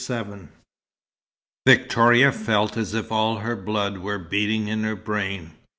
XXXVII Victoria felt as if all her blood were beating in her brain.